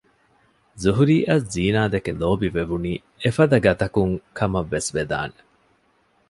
ޒުހުރީއަށް ޒީނާދެކެ ލޯބިވެވުނީ އެފަދަގަތަކުން ކަމަށްވެސް ވެދާނެ